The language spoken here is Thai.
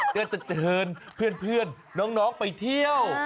ก็จะเชิญเพื่อนน้องไปเที่ยว